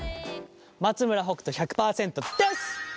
松村北斗１００％です！